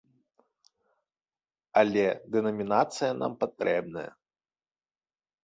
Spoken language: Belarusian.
Але дэнамінацыя нам патрэбная.